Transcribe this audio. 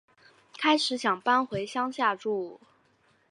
开始想搬回乡下住